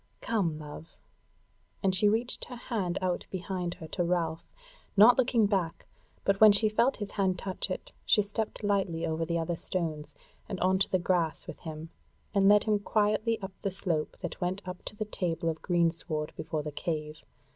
Come, love!" And she reached her hand out behind her to Ralph, not looking back, but when she felt his hand touch it, she stepped lightly over the other stones, and on to the grass with him, and led him quietly up the slope that went up to the table of greensward before the cave.